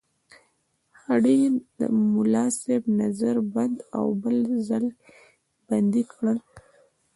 د هډې ملاصاحب نظر بند او بل ځل بندي کړ.